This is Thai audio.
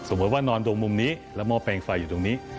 ว่านอนตรงมุมนี้แล้วมอบแปลงไฟอยู่ตรงนี้